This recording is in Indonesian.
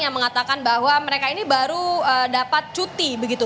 yang mengatakan bahwa mereka ini baru dapat cuti begitu